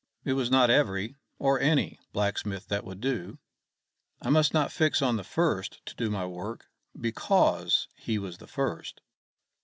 It was not every or any blacksmith that would do. I must not fix on the first to do my work because he was the first.